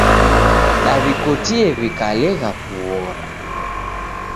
Daw'ikotere w'ikalegha kughora